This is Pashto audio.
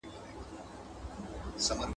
• د خره مرگ د سپو اختر دئ.